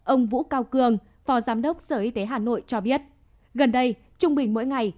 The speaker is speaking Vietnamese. ông vũ cao cường phó giám đốc sở y tế hà nội cho biết gần đây trung bình mỗi ngày